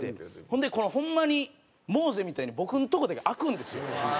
ほんでこのホンマにモーゼみたいに僕のとこだけ空くんですよ。